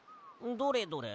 どれどれ？